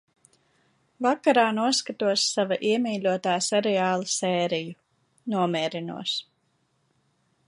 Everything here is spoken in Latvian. Vakarā noskatos sava iemīļotā seriāla sēriju. Nomierinos.